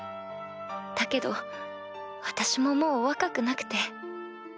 だけど私ももう若くなくて。